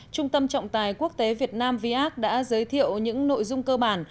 trung tâm trọng tài quốc tế việt nam varc đã giới thiệu những nội dung cơ bản